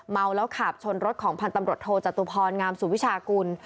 เมาแล้วขับชนรถของพันธ์ตำรวจโทจตุพรงามสุวิชากุล